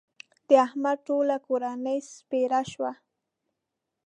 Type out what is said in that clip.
د احمد ټوله کورنۍ سپېره شوه.